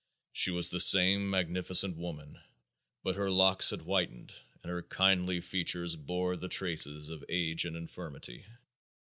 She was the same magnificent woman, but her locks had whitened and her kindly features bore the traces of age and infirmity.